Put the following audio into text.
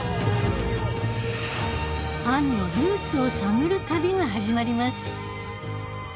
アンのルーツを探る旅が始まります